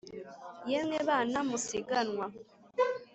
yemwe bana musiganwa